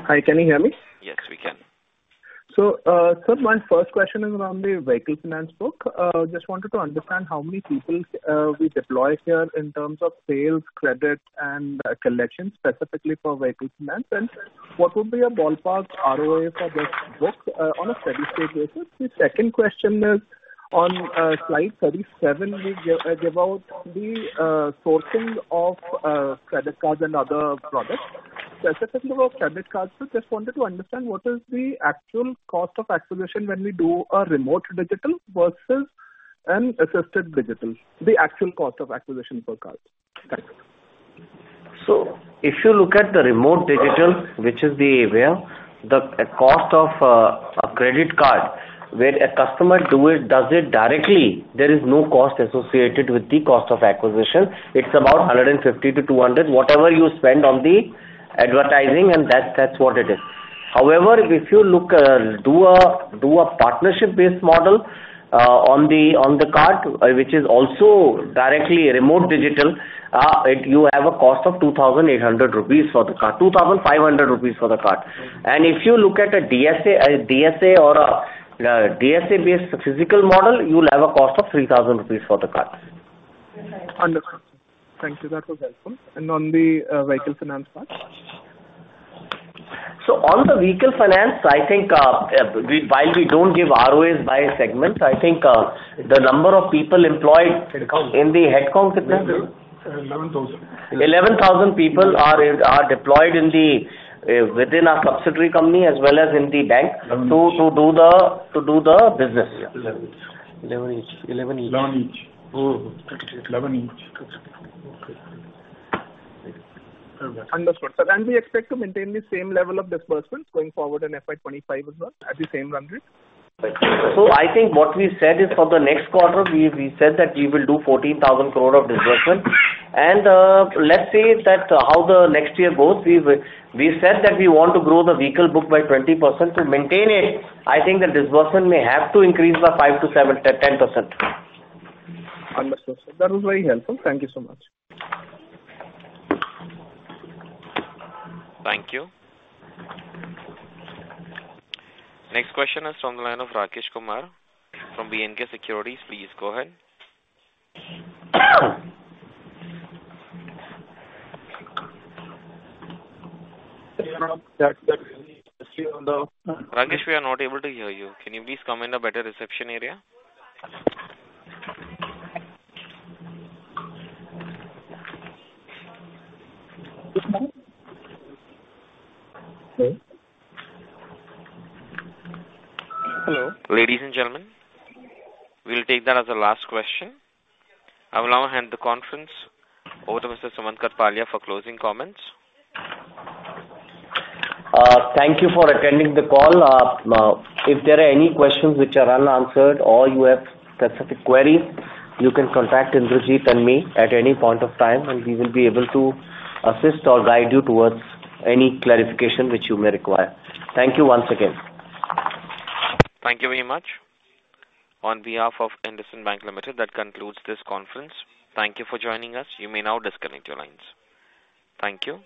[SPEAKER 14] Hi, can you hear me?
[SPEAKER 1] Yes, we can.
[SPEAKER 14] So, sir, my first question is around the vehicle finance book. Just wanted to understand how many people we deploy here in terms of sales, credit, and collection, specifically for vehicle finance. And what would be a ballpark ROA for this book on a steady-state basis? The second question is on slide 37, we give about the sourcing of credit cards and other products. Specifically about credit cards, so just wanted to understand what is the actual cost of acquisition when we do a remote digital versus an assisted digital, the actual cost of acquisition per card? Thanks.
[SPEAKER 2] So if you look at the remote digital, which is where the cost of a credit card, where a customer does it directly, there is no cost associated with the cost of acquisition. It's about 150-200, whatever you spend on the advertising, and that's what it is. However, if you look at a partnership-based model on the card, which is also directly remote digital, you have a cost of 2,800 rupees for the card, 2,500 rupees for the card. And if you look at a DSA or a DSA-based physical model, you will have a cost of 3,000 rupees for the card.
[SPEAKER 14] Understood. Thank you, that was helpful. On the vehicle finance part?
[SPEAKER 2] So on the vehicle finance, I think, we, while we don't give ROAs by segment, I think, the number of people employed-
[SPEAKER 13] Headcount.
[SPEAKER 2] In the headcount, kitna?
[SPEAKER 13] 11,000.
[SPEAKER 2] 11,000 people are deployed within our subsidiary company as well as in the bank, to do the business.
[SPEAKER 13] Eleven each.
[SPEAKER 2] 11 each, 11 each.
[SPEAKER 13] Nine each.
[SPEAKER 2] Oh.
[SPEAKER 13] Eleven each.
[SPEAKER 14] Understood. Sir, and we expect to maintain the same level of disbursements going forward in FY 2025 as well, at the same run rate?
[SPEAKER 2] I think what we said is for the next quarter, we, we said that we will do 14,000 crore of disbursement. Let's see how the next year goes. We've, we said that we want to grow the vehicle book by 20%. To maintain it, I think the disbursement may have to increase by five to seven to 10%.
[SPEAKER 14] Understood. Sir, that was very helpful. Thank you so much.
[SPEAKER 1] Thank you. Next question is from the line of Rakesh Kumar from B&K Securities. Please go ahead.
[SPEAKER 15] That really on the-
[SPEAKER 1] Rakesh, we are not able to hear you. Can you please come in a better reception area?
[SPEAKER 15] Hello?
[SPEAKER 1] Ladies and gentlemen, we'll take that as the last question. I will now hand the conference over to Mr. Sumant Kathpalia for closing comments.
[SPEAKER 2] Thank you for attending the call. If there are any questions which are unanswered or you have specific queries, you can contact Indrajit and me at any point of time, and we will be able to assist or guide you towards any clarification which you may require. Thank you once again.
[SPEAKER 1] Thank you very much. On behalf of IndusInd Bank Limited, that concludes this conference. Thank you for joining us. You may now disconnect your lines. Thank you.